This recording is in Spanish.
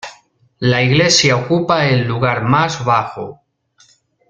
La iglesia ocupa el lugar más bajo.